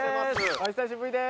お久しぶりです